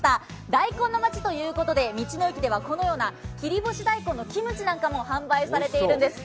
大根のまちということで、道の駅ではこのような切り干し大根のキムチなんかも販売されているんです。